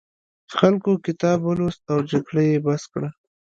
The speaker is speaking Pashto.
خلکو کتاب ولوست او جګړه یې بس کړه.